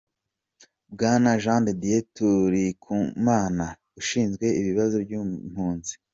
Bwana Jean de Dieu Tulikumana, Ushinzwe Ibibazo by’Impunzi